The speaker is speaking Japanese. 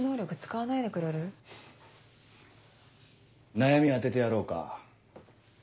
悩み当ててやろうか？